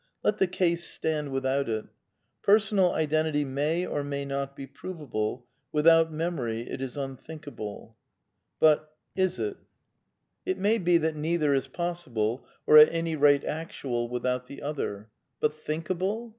Let the case stand without it. Personal identity may or may not be provable ; without memory it is unthink able. But — is it? I 40 A DEFENCE OF IDEALISM It may be that neither is possible, or at any rate actual, without the other. But thinkable